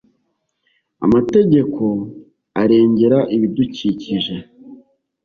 amategeko arengera ibidukikije